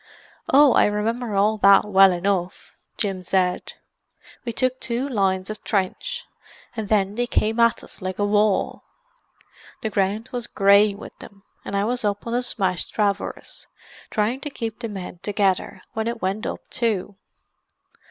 "Oh, I remember all that well enough," Jim said. "We took two lines of trench, and then they came at us like a wall; the ground was grey with them. And I was up on a smashed traverse, trying to keep the men together, when it went up too."